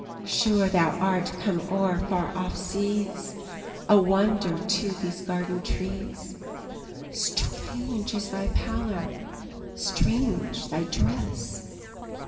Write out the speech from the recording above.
Sure thou art come o'er far off seas, A wonder to these garden trees! Strange is thy pallor! strange thy dress!